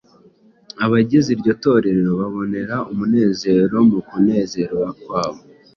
Abagize iryo torero babonera umunezero mu kunezerwa kw’abo